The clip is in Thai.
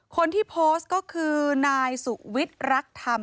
คนที่โพสต์ก็คือนายสุวิทย์รักธรรม